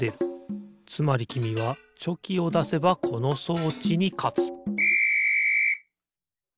つまりきみはチョキをだせばこの装置にかつピッ！